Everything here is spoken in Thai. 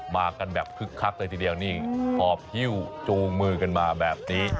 มากันแบบคึกคักเลยทีเดียวนี่หอบฮิ้วจูงมือกันมาแบบนี้